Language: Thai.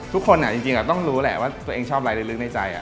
ทุกคนจริงต้องรู้ว่าตัวเองชอบอะไรลึกในใจ